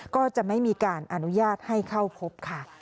ก็จะไม่มีการอนุญาตให้เข้าพบค่ะ